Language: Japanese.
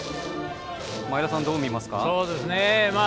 前田さん、どう見ますか？